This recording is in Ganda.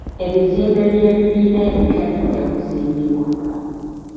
Ebizimbe by'ebibiina ebipya bijja kuzimbibwa.